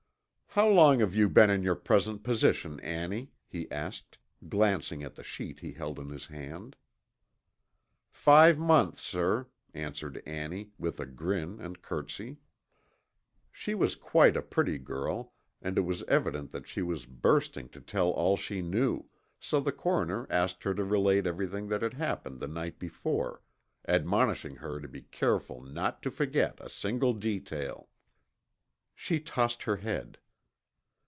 "How long have you been in your present position, Annie?" he asked, glancing at the sheet he held in his hand. "Five months, sir," answered Annie, with a grin and curtsey. She was quite a pretty girl and it was evident that she was bursting to tell all she knew, so the coroner asked her to relate everything that had happened the night before, admonishing her to be careful not to forget a single detail. She tossed her head.